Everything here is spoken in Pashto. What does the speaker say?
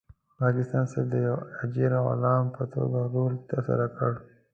پاکستان صرف د یو اجیر غلام په توګه رول ترسره کړ.